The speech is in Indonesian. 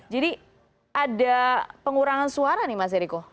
jadi ada pengurangan suara nih mas eriko